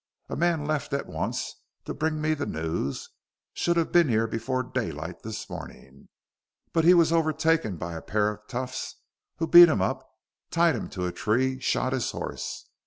A man left at once to bring me the news should have been here before daylight this morning. But he was overtaken by a pair of toughs who beat him up, tied him to a tree, shot his horse.